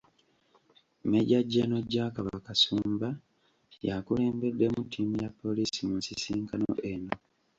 Major General Jack Bakasumba y’akulembeddemu ttiimu ya poliisi mu nsisinkano eno.